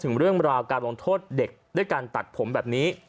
ถึงเรื่องราวการลงโทษเด็กด้วยการตัดผมแบบนี้